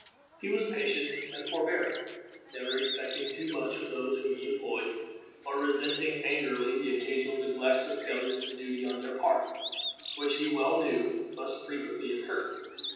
He was patient and forbearing, never expecting too much of those whom he employed, or resenting angrily the occasional neglects or failures in duty on their part, which he well knew must frequently occur.